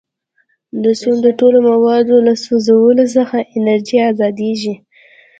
د سون د ټولو موادو له سوځولو څخه انرژي ازادیږي.